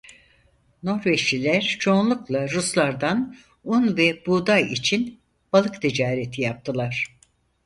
Norveçliler çoğunlukla Ruslardan un ve buğday için balık ticareti yaptılar.